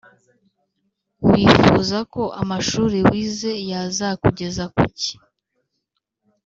Wifuza ko amashuri wize yazakugeza ku ki